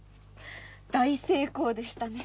大成功でしたね。